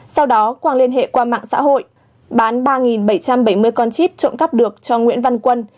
sau đó quang liên hệ qua mạng xã hội bán ba bảy trăm bảy mươi con chip trộm cắp được cho nguyễn văn quân